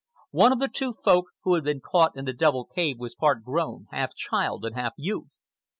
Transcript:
One of the two Folk who had been caught in the double cave was part grown, half child and half youth.